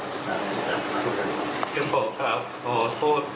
แกจะฝากอะไรที